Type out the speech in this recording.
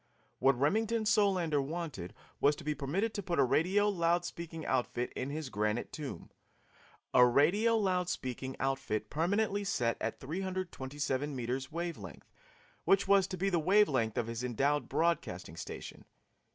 What Remington Solander wanted was to be permitted to put a radio loud speaking outfit in his granite tomb a radio loud speaking outfit permanently set at 327 meters wave length, which was to be the wave length of his endowed broadcasting station.